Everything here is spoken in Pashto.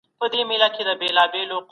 ټکنالوژي د شلمې پیړۍ په پای کې پرمختګ وکړ.